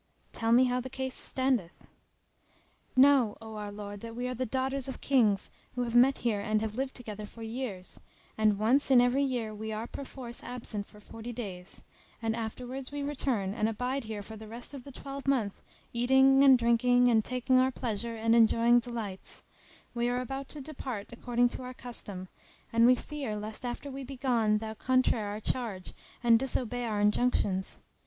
"Tell me how the case standeth?" "Know, O our lord, that we are the daughters of Kings who have met here and have lived together for years; and once in every year we are perforce absent for forty days; and afterwards we return and abide here for the rest of the twelve month eating and drinking and taking our pleasure and enjoying delights: we are about to depart according to our custom; and we fear lest after we be gone thou contraire our charge and disobey our injunctions.